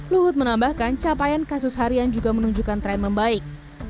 luhut menambahkan capaian kasus harian juga menunjukkan tren membaik